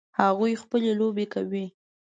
هغوی خپلې لوبې کوي